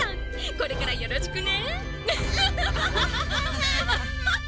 これからよろしくね！